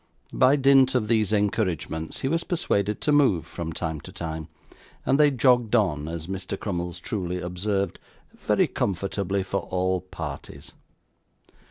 By dint of these encouragements, he was persuaded to move from time to time, and they jogged on (as Mr. Crummles truly observed) very comfortably for all parties.